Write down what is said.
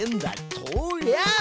とりゃ！